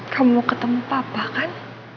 kamu ketemu papa kan